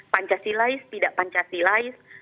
pancasilais tidak pancasilais